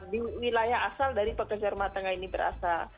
di wilayah asal dari pekerja rumah tangga ini berasal